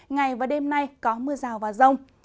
ngày và đêm nay có mưa rào và rông